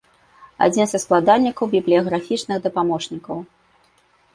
Адзін са складальнікаў бібліяграфічных дапаможнікаў.